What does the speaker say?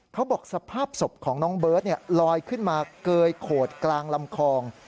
สภาพศพของน้องเบิร์ตลอยขึ้นมาเกยโขดกลางลำคลอง